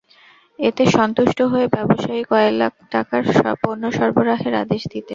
এতে সন্তুষ্ট হয়ে ব্যবসায়ী কয়েক লাখ টাকার পণ্য সরবরাহের আদেশ দিতেন।